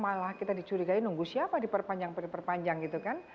malah kita dicurigai nunggu siapa diperpanjang diperpanjang gitu kan